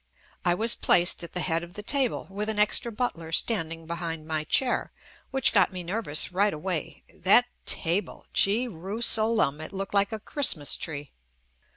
I was placed at the head of the table with an extra butler standing behind my chair, which got me nervous right away — that table ! Gee rusalem, it looked like a Christmas tree.